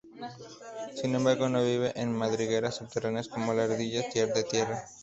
Sin embargo, no vive en madrigueras subterráneas, como las ardillas de tierra.